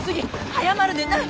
早まるでない！